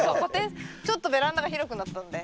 ちょっとベランダが広くなったんで。